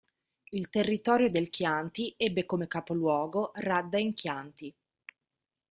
Il territorio del Chianti ebbe come capoluogo Radda in Chianti.